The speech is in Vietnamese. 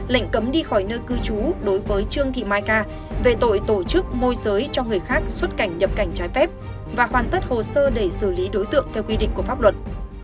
lệnh cấm đi khỏi nơi cư trú đối với trương thị mai ca về tội tổ chức môi giới cho người khác xuất cảnh nhập cảnh trái phép và hoàn tất hồ sơ để xử lý đối tượng theo quy định của pháp luật